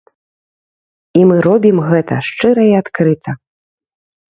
І мы робім гэта шчыра і адкрыта.